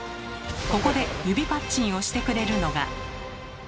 ここで指パッチンをしてくれるのが。